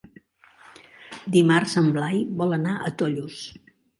Dimarts en Blai vol anar a Tollos.